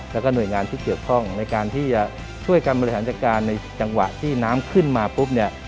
แล้วก็หน่วยงานที่เกี่ยวข้องในการที่จะช่วยการบริหารจัดการในจังหวะที่น้ำขึ้นมาปุ๊บเนี่ย